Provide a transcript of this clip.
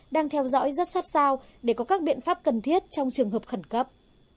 đang theo dõi rất sát sao để có các biện pháp cần thiết trong trường hợp khẩn cấp